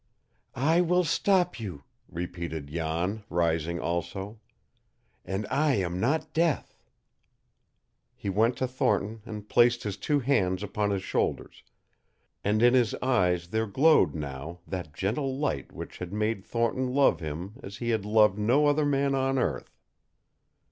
"I will stop you," repeated Jan, rising also. "And I am not death." He went to Thornton and placed his two hands upon his shoulders, and in his eyes there glowed now that gentle light which had made Thornton love him as he had loved no other man on earth.